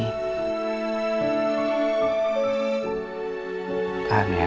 ya ini udah